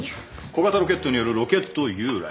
小型ロケットによるロケット誘雷。